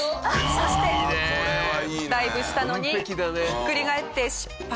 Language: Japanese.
そしてダイブしたのにひっくり返って失敗。